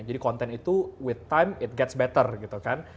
jadi konten itu with time it gets better gitu kan